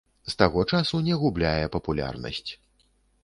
З таго часу не губляе папулярнасць.